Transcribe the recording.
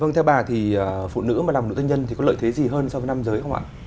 vâng theo bà thì phụ nữ mà làm nữ doanh nhân thì có lợi thế gì hơn so với nam giới không ạ